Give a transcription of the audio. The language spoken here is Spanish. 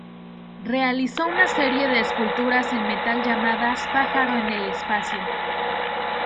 Realizó una serie de esculturas en metal llamadas "Pájaro en el espacio".